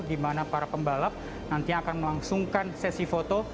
di mana para pembalap nantinya akan melangsungkan sesi foto